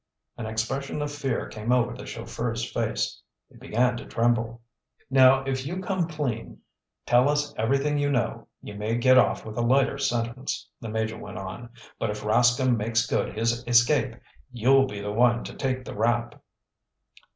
An expression of fear came over the chauffeur's face. He began to tremble. "Now if you come clean—tell us everything you know—you may get off with a lighter sentence," the Major went on. "But if Rascomb makes good his escape, you'll be the one to take the rap."